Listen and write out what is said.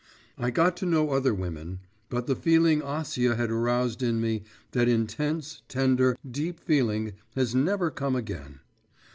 … I got to know other women but the feeling Acia had aroused in me, that intense, tender, deep feeling has never come again.